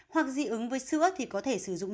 hoặc dị ứng với sữa thì có thể sử dụng